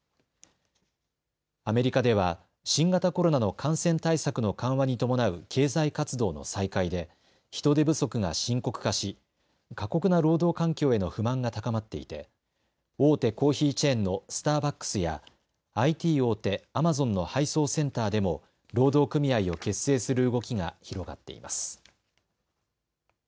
アメリカでは新型コロナの感染対策の緩和に伴う経済活動の再開で人手不足が深刻化し過酷な労働環境への不満が高まっていて大手コーヒーチェーンのスターバックスやＩＴ大手アマゾンの配送センターでも労働組合を結成する動きが広がっています。